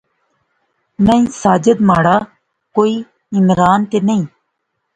نئیں ساجد مہاڑا کوئی عمران تے نئیں